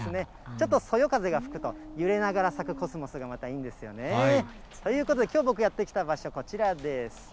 ちょっとそよ風が吹くと、揺れながら咲くコスモスが、またいいんですよね。ということで、きょう僕、やって来た場所、こちらです。